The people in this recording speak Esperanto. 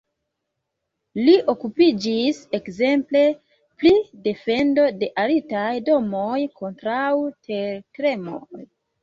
Li okupiĝis ekzemple pri defendo de altaj domoj kontraŭ tertremoj.